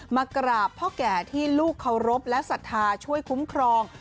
มากราบพ่อแก่ที่ลูกเคารพและศรัทธาช่วยคุ้มครอง